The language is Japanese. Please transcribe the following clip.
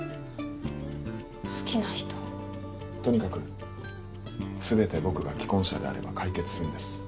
好きな人とにかく全て僕が既婚者であれば解決するんです